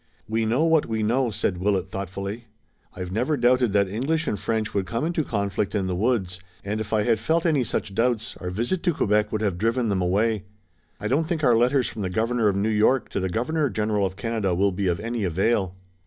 "We know what we know," said Willet thoughtfully. "I've never doubted that English and French would come into conflict in the woods, and if I had felt any such doubts, our visit to Quebec would have driven them away. I don't think our letters from the Governor of New York to the Governor General of Canada will be of any avail."